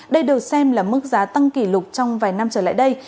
đây được xem là mức giá tăng kỷ lục trong vài năm trở lại đây